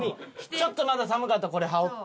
ちょっとまだ寒かったらこれ羽織って。